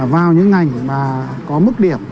vào những ngành mà có mức điểm